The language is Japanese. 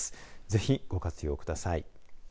ぜひご活用ください。